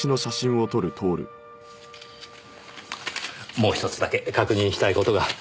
もう１つだけ確認したい事が。